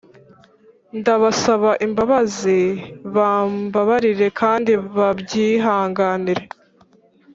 ndabasaba imbabazi, bambabarire kandi babyihanganire